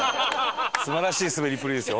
素晴らしいすべりっぷりですよ